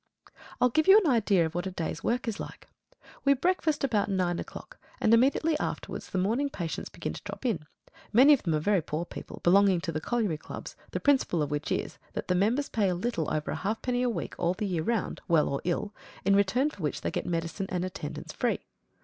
I'll give you an idea of what a day's work is like. We breakfast about nine o'clock, and immediately afterwards the morning patients begin to drop in. Many of them are very poor people, belonging to the colliery clubs, the principle of which is, that the members pay a little over a halfpenny a week all the year round, well or ill, in return for which they get medicine and attendance free.